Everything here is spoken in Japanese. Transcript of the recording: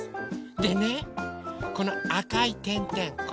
でねこのあかいてんてんこれ。